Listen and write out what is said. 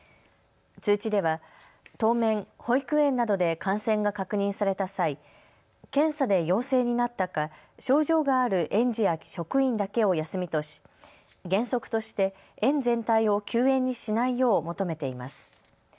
通知では当面、保育園などで感染が確認された際、検査で陽性になったか症状がある園児や職員だけを休みとし原則として園全体を休園にしないよう求めています。